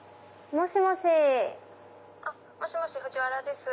もしもし藤原です。